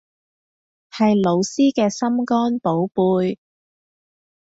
係老師嘅心肝寶貝